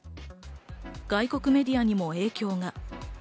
外国メディアにも影響が。